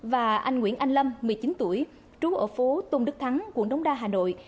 và anh nguyễn anh lâm một mươi chín tuổi trú ở phố tôn đức thắng quận đống đa hà nội